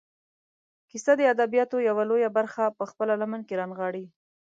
کیسه د ادبیاتو یوه لویه برخه په خپله لمن کې رانغاړي.